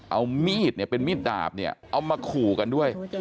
เอามีดเป็นมีดดาบเอามาขู่กันด้วย